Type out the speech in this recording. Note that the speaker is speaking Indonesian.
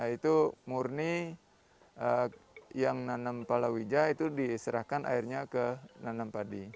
itu murni yang nanam palawija itu diserahkan airnya ke nanam padi